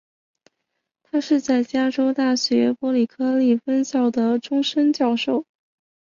他是在加州大学伯克利分校的终身教授。